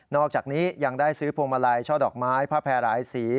อกจากนี้ยังได้ซื้อพวงมาลัยช่อดอกไม้ผ้าแพร่หลายสี